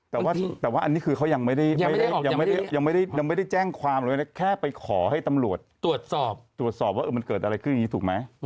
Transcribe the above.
แต่ว่าแต่ว่าอันนี้คือเขายังไม่ได้ยังไม่ได้ยังไม่ได้ยังไม่ได้แจ้งความเลยนะแค่ไปขอให้ตำรวจตรวจสอบตรวจสอบว่ามันเกิดอะไรขึ้นอย่างนี้ถูกไหม